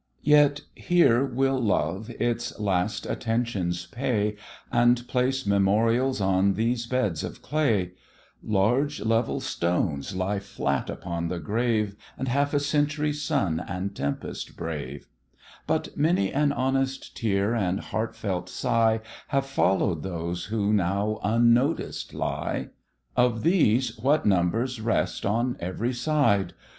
Yet, here will Love its last attentions pay, And place memorials on these beds of clay; Large level stones lie flat upon the grave, And half a century's sun and tempest brave; But many an honest tear and heartfelt sigh Have follow'd those who now unnoticed lie; Of these what numbers rest on every side!